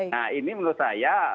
nah ini menurut saya